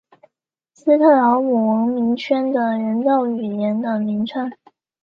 斯特劳姆文明圈的人造语言的名称。